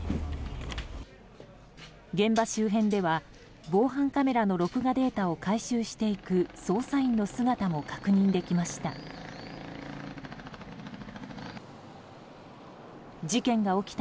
現場周辺では防犯カメラの録画データを回収していく捜査員の姿も確認できました。